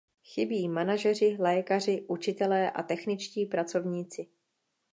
Chybí manažeři, lékaři, učitelé a techničtí pracovníci.